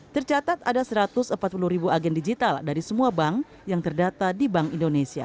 tercatat ada satu ratus empat puluh ribu agen digital dari semua bank yang terdata di bank indonesia